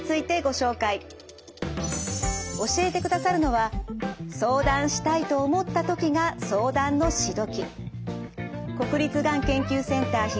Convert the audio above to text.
教えてくださるのは相談したいと思った時が相談のし時。